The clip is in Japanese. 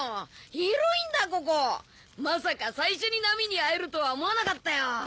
ここまさか最初にナミに会えるとは思わなかったよ